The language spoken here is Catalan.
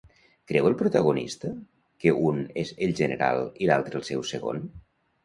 Creu el protagonista que un és el general i l'altre el seu segon?